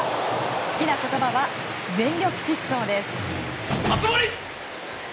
好きな言葉は全力疾走です。